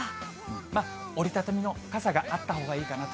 折り畳みの傘があったほうがいいかなと。